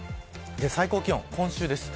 最高気温、今週です。